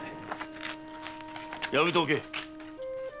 やめておけ！